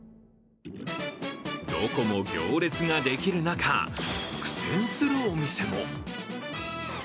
どこも行列ができる中苦戦するお店も。